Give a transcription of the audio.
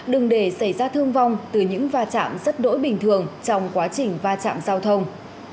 đừng để xảy ra thương vong từ những va chạm rất đỗi bình thường trong quá trình va chạm giao thông